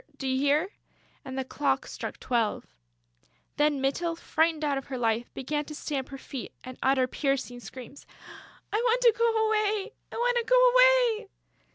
Do you hear?..." And the clock struck twelve. Then Mytyl, frightened out of her life, began to stamp her feet and utter piercing screams: "I want to go away!... I want to go away!..."